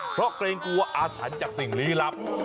เพราะเกรงกลัวอาสัญจากสิ่งหลีลับ